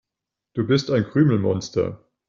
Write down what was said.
Du bist ein Krümelmonster.